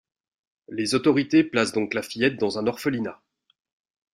Les autorités placent donc la fillette dans un orphelinat.